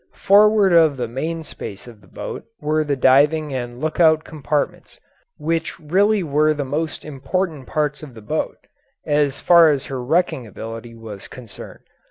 Forward of the main space of the boat were the diving and lookout compartments, which really were the most important parts of the boat, as far as her wrecking ability was concerned.